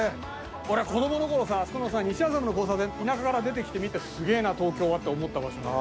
俺子供の頃さ西麻布の交差点田舎から出て来て見て「すげぇな東京は」って思った場所。